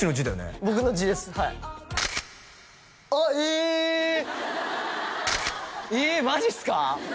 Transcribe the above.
えっマジっすか？